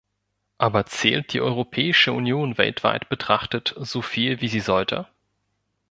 Aber zählt die Europäische Union weltweit betrachtet soviel wie sie sollte?